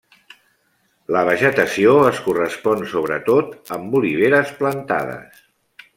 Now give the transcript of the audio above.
La vegetació es correspon sobretot amb oliveres plantades.